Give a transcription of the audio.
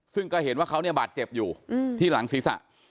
ซึ่งก็เห็นว่าเขาเนี่ยบาดเจ็บอยู่ที่หลังศีรษะ